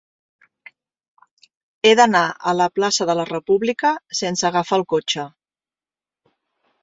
He d'anar a la plaça de la República sense agafar el cotxe.